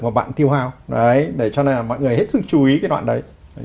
và bạn tiêu hao đấy để cho mọi người hết sức chú ý cái đoạn đấy